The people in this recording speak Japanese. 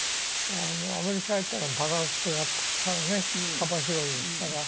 アメリカ行ったらバランスがたくさんね幅広いですから。